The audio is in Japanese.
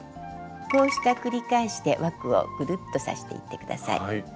こうした繰り返しで枠をぐるっと刺していって下さい。